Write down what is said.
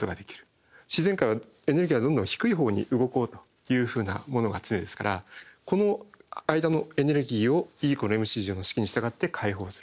自然界はエネルギーがどんどん低いほうに動こうというふうなものが常ですからこの間のエネルギーをＥ＝ｍｃの式に従って解放する。